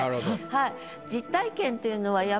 はい。